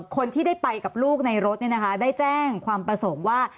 คนที่ได้ไปกับลูกในรถได้แจ้งความประสงค์ว่า